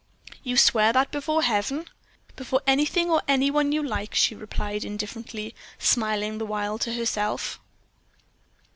"You swear that before Heaven?" "Before anything or any one you like," she replied, indifferently, smiling the while to herself.